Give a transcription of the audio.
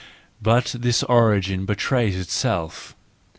But this origin betrays itself.